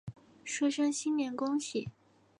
说声新年恭喜